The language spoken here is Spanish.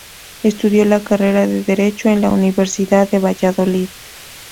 Estudió la carrera de derecho en la Universidad de Valladolid.